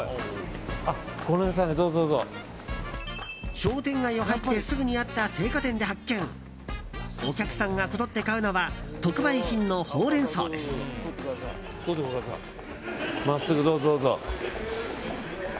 商店街を入ってすぐにあった青果店で発見お客さんがこぞって買うのは特売品のホウレンソウです。